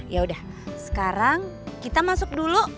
yaudah sekarang kita masuk dulu